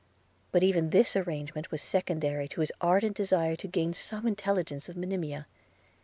But even this arrangement was secondary to his ardent desire to gain some intelligence of Monimia.